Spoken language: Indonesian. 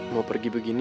mau pergi begini